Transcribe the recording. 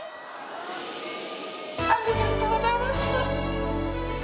ありがとうございます！